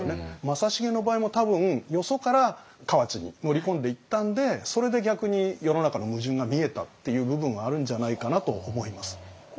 正成の場合も多分よそから河内に乗り込んでいったんでそれで逆に世の中の矛盾が見えたっていう部分はあるんじゃないかなと思います。